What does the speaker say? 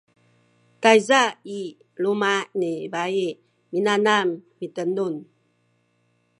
tayza i luma’ ni bai minanam mitenun